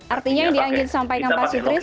artinya yang dianggit sampai dengan pak sutris